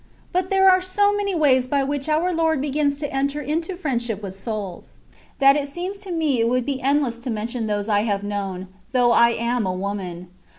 But there are so many ways by which our Lord begins to enter into firiendship with souls, that it seems to me it would be endless to mention those I have known,* though I am a woman.